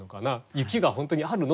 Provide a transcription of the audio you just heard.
雪が本当にあるの？